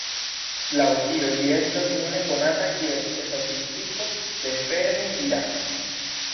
Laŭ tio, ĝi estas nune konata kiel Statistiko de Fermi–Dirac.